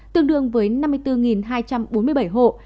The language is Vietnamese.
tương đương với năm mươi bốn hai trăm bốn mươi bảy hộ